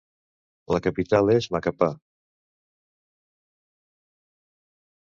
La capital és Macapá.